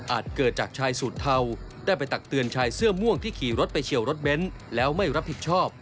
เกิดจากชายสูตรเทาได้ไปตักเตือนชายเสื้อม่วงที่ขี่รถไปเฉียวรถเบ้นแล้วไม่รับผิดชอบ